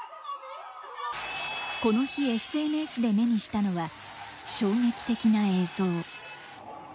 この日、ＳＮＳで目にしたのは、衝撃的な映像。